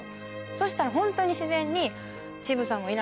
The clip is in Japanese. そしたらホントに自然に。